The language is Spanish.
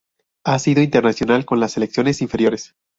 Ha sido internacional con las selecciones inferiores.